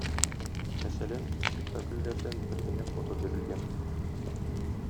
Мәсәлән, спектакльләрдән бер генә фото бирелгән.